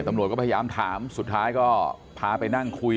ตำรวจก็พยายามถามสุดท้ายก็พาไปนั่งคุย